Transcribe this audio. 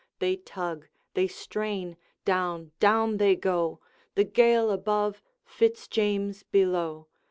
They tug, they strain! down, down they go, The Gael above, Fitz James below.